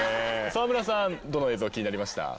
沢村さんどの映像気になりました？